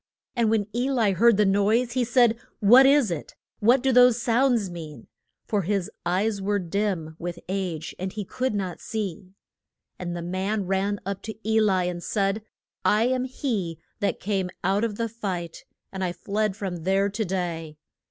And when E li heard the noise, he said, What is it? What do those sounds mean? For his eyes were dim with age, and he could not see. And the man ran up to E li and said, I am he that came out of the fight, and I fled from there to day.